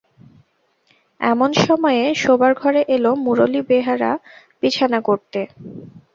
এমন সময়ে শোবার ঘরে এল মুরলী বেহারা বিছানা করতে।